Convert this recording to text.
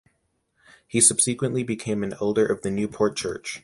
He subsequently became an elder of the Newport church.